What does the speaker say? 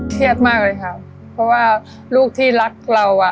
เครียดมากเลยค่ะเพราะว่าลูกที่รักเราอ่ะ